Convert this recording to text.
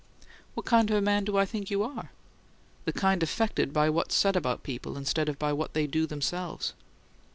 "What kind of a man do I think you are?" "The kind affected by what's said about people instead of by what they do themselves."